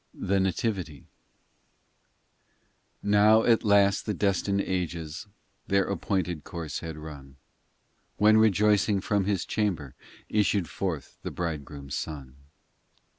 THE NATIVITY i Now at last the destined ages Their appointed course had run, When rejoicing from His chamber Issued forth the Bridegroom Son.